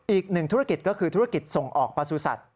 อีก๑ธุรกิจก็คือธุรกิจส่งออกประสุทธิ์สัตว์